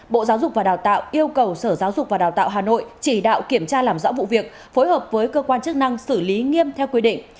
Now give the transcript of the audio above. bộ giáo dục và đào tạo yêu cầu sở giáo dục và đào tạo hà nội chỉ đạo kiểm tra làm rõ vụ việc phối hợp với cơ quan chức năng xử lý nghiêm theo quy định